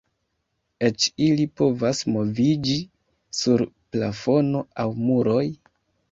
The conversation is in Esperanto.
Eĉ ili povas moviĝi sur plafono aŭ muroj.